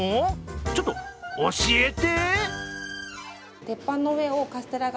ちょっと、教えて！